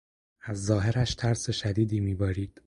از ظاهرش ترس شدیدی میبارید.